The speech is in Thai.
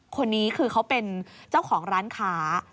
คนนี้คือเขาเป็นเจ้าของร้านค้า